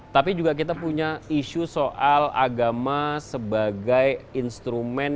tapi juga kita punya isu soal agama sebagai instrumen